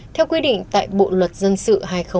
theo quy định tại bộ luật dân sự hai nghìn một mươi năm